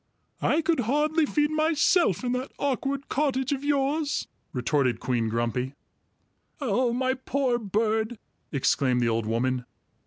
"I could hardly feed myself in that awkward cottage of yours!" retorted Queen Grumpy. "Oh, my poor bird!" exclaimed the old woman.